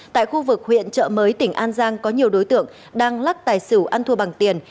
tại khu vực huyện trợ mới tỉnh an giang có nhiều đối tượng đang lắc tài xỉu ăn thua bằng tiền